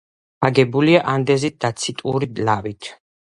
აგებულია ანდეზიტ-დაციტური ლავით.